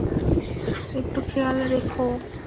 একটু খেয়াল রেখো।